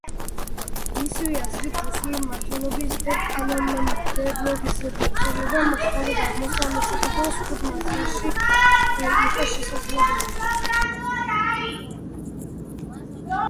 მისივე აზრით, რუსული მმართველობის და კანონმდებლობის გავრცელება მხოლოდ აღმოსავლეთ საქართველოს ხუთ მაზრაში იყო შესაძლებელი.